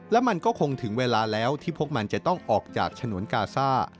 และมันก็คงถึงเวลาแล้วที่พวกมันจะต้องออกจากฉนวนกาซ่า